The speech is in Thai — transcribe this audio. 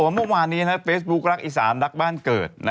เมื่อวานนี้เฟซบุ๊ครักอีสานรักบ้านเกิด